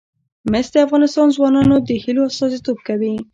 مس د افغان ځوانانو د هیلو استازیتوب کوي.